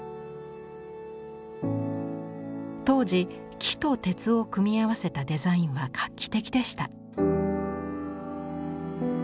当時木と鉄を組み合わせたデザインは画期的でした。